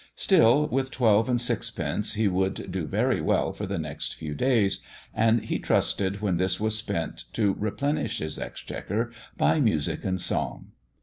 Still, with twelve and sixpence he would do very well for the next few days, and he trusted when this was spent to replenish his exchequer by music and song.